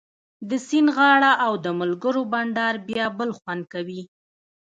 د سیند غاړه او د ملګرو بنډار بیا بل خوند کوي